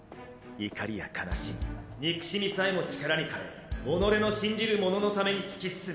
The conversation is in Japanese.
怒りや悲しみ憎しみさえも力に変え己の信じるもののために突き進む。